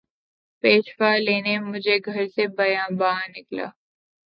پیشوا لینے مجھے گھر سے بیاباں نکلا